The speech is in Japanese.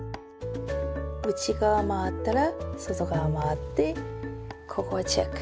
内側回ったら外側回ってここをチェック。